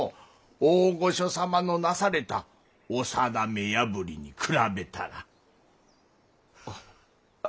大御所様のなされたお定め破りに比べたら。